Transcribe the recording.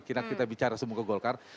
kita bicara semoga golkar